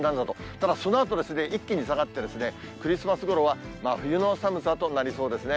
ただそのあと、一気に下がって、クリスマスごろは冬の寒さとなりそうですね。